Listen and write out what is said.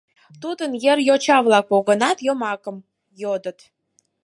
Тудын йыр йоча-влак погынат, йомакым йодыт.